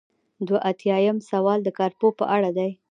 دوه ایاتیام سوال د کارپوه په اړه دی.